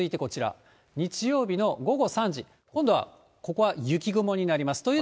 日曜日の午後３時、今度はここは雪雲になります。